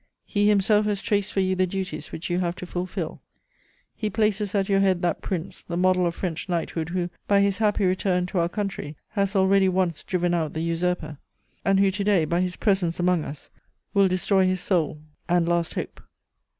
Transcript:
He himself has traced for you the duties which you have to fulfil. He places at your head that Prince, the model of French knighthood, who, by his happy return to our country, has already once driven out the usurper, and who to day, by his presence among us, will destroy his sole and last hope."